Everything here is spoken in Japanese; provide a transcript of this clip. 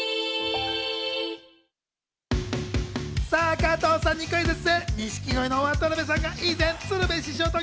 加藤さんにクイズッス！